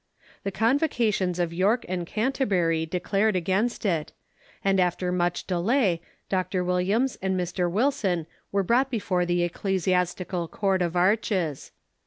The Convocations of York and Canterbury declared against it, and after much delay Dr. Williams and Mr. Wilson were brought before the Ecclesias tical Court of Arches.